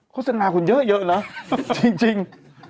โฆษณาคุณเยอะนะจริง